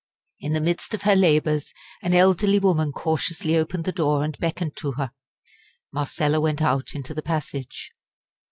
In the midst of her labours, an elderly woman cautiously opened the door and beckoned to her. Marcella went out into the passage.